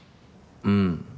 うん。